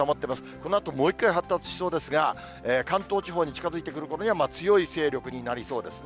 このあともう一回発達しそうですが、関東地方に近づいてくるころには、強い勢力になりそうですね。